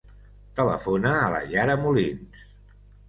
Telefona a la Yara Molins.